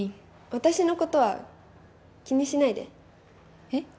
私のことは気にしないでえっ？